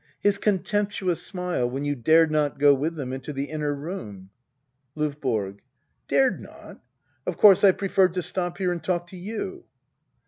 His contemptuous smile, when you dared not go with them into the inner room. LOVBORO. Dared not ? Of course I preferred to stop here and talk to y o u.